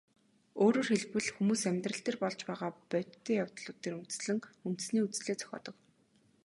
Өөрөөр хэлбэл, хүмүүс амьдрал дээр болж байгаа бодтой явдлууд дээр үндэслэн үндэсний үзлээ зохиодог.